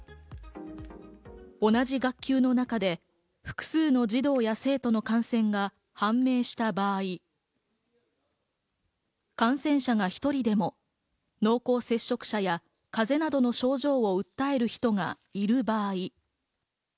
同じ学級の中で複数の児童や生徒の感染が判明した場合、感染者が１人でも濃厚接触者や風邪などの症状を訴える人がいる場合。